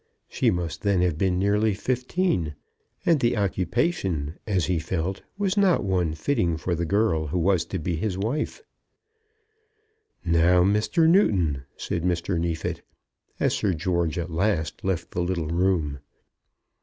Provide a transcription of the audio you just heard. She must then have been nearly fifteen, and the occupation, as he felt, was not one fitting for the girl who was to be his wife. "Now, Mr. Newton," said Mr. Neefit, as Sir George at last left the little room.